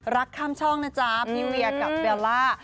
รักข้ามช่องนะจ๊ะพี่เวียกับเบลล่า